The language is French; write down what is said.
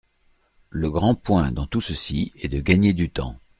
Le grand point, dans tout ceci, est de gagner du temps.